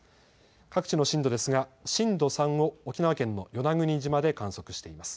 各地の震度ですが震度３を沖縄県の与那国島で観測しています。